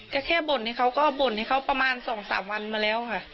ก็แค่บ่นให้เขาประมาณ๒๓วันมาแล้ว